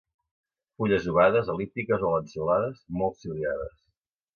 Fulles ovades, el·líptiques o lanceolades, molt ciliades.